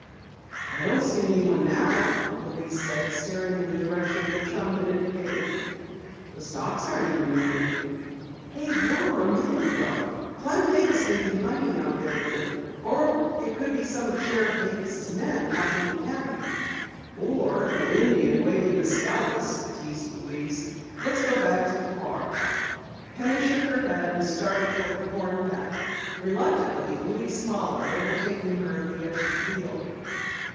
"I don't see anyone now," Louise said, staring in the direction her chum had indicated. "The stalks aren't even moving." "They were a moment ago. Clem Davis may be hiding out there, Lou! Or it could be some of Sheriff Davis' men watching the cabin." "Or an Indian waiting to scalp us," teased Louise. "Let's go back to the car." Penny shook her head and started toward the corn patch. Reluctantly, Louise followed, overtaking her at the edge of the field.